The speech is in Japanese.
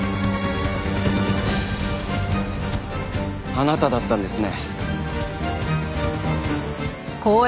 あなただったんですね。